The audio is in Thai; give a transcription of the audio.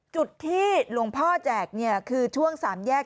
จุดที่หลวงพ่อแจกคือช่วงสามแยก